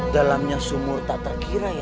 dalamnya sumur tak terkira ya